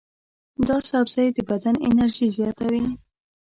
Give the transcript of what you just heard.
دا سبزی د بدن انرژي زیاتوي.